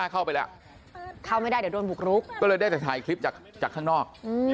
ก็เลยได้ถ่ายคลิปจากข้างนอก